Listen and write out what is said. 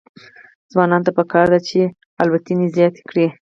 ځوانانو ته پکار ده چې، الوتنې زیاتې کړي.